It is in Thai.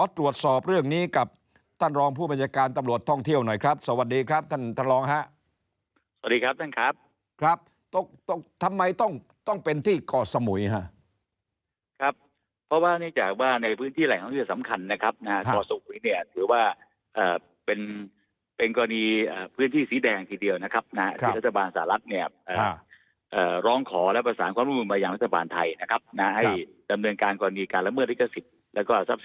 ท่านรองผู้บัญชาการตำรวจท่องเที่ยวหน่อยครับสวัสดีครับท่านรองครับสวัสดีครับท่านครับทำไมต้องเป็นที่เกาะสมุยครับเพราะว่านี่จากว่าในพื้นที่แหล่งท่องเที่ยวสำคัญนะครับเกาะสมุยเนี่ยถือว่าเป็นกรณีพื้นที่สีแดงทีเดียวนะครับที่รัฐบาลสหรัฐเนี่ยร้องขอและประสานความภูมิมาอย่างรัฐบ